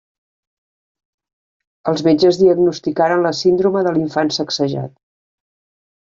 Els metges diagnosticaren la síndrome de l'infant sacsejat.